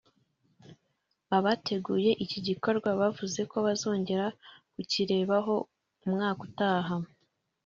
abateguye iki gikorwa bavuze ko bazongera kukirebaho umwaka utaha